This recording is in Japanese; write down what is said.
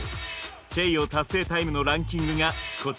チェイヨー達成タイムのランキングがこちら。